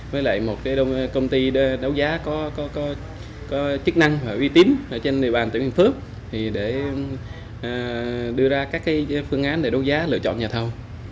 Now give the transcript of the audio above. với lại một công ty đấu giá có chức năng và uy tín trên địa bàn tỉnh yên phước để đưa ra các phương án để đấu giá lựa chọn nhà thầu